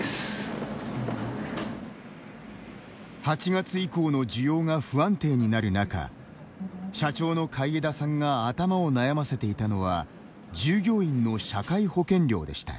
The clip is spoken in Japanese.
８月以降の需要が不安定になる中社長の海江田さんが頭を悩ませていたのは従業員の社会保険料でした。